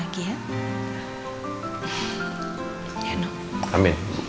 akan makin baik dan gak ada masalah lagi